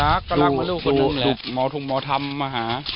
รักก็รักมั้ยลูกคนหนึ่งแหละ